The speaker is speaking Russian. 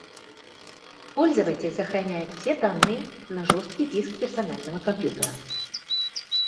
Пользователь сохраняет все данные на жесткий диск персонального компьютера